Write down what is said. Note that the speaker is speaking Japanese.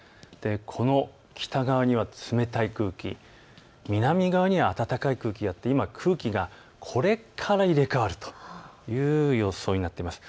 この北側には冷たい空気、南側には暖かい空気があって今、空気がこれから入れ代わるという予想になっています。